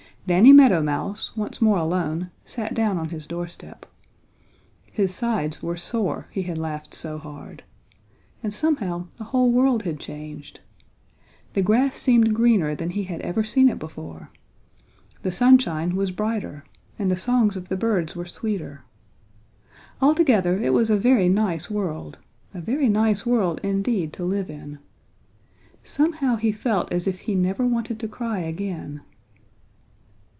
Danny Meadow Mouse, once more alone, sat down on his doorstep. His sides were sore, he had laughed so hard, and somehow the whole world had changed. The grass seemed greener than he had ever seen it before. The sunshine was brighter and the songs of the birds were sweeter. Altogether it was a very nice world, a very nice world indeed to live in. Somehow he felt as if he never wanted to cry again.